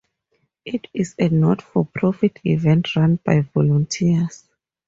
It is a not for profit event run by volunteers.